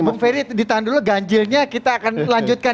bung ferry ditahan dulu ganjilnya kita akan lanjutkan